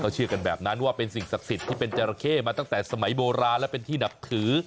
เชื่อกันแบบนั้นว่าเป็นสิ่งศักดิ์สิทธิ์ที่เป็นจราเข้มาตั้งแต่สมัยโบราณและเป็นที่นับถือ